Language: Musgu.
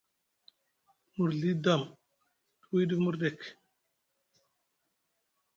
Murzɵi dam te wii ɗif mirɗek.